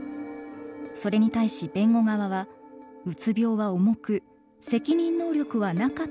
それに対し弁護側は「うつ病は重く責任能力は無かった」と主張します。